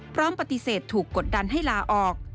พร้อมปฏิเสธถูกกดดันให้ลาออก